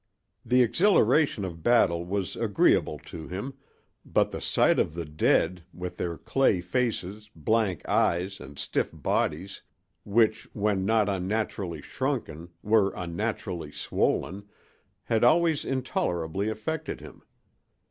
The exhilaration of battle was agreeable to him, but the sight of the dead, with their clay faces, blank eyes and stiff bodies, which when not unnaturally shrunken were unnaturally swollen, had always intolerably affected him.